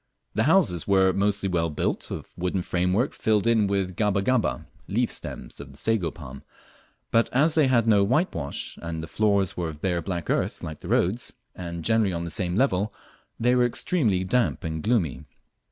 The houses were mostly well built, of wooden framework filled in with gaba gaba (leaf stems of the sago palm), but as they had no whitewash, and the floors were of bare black earth like the roads, and generally on the same level, they were extremely damp and gloomy.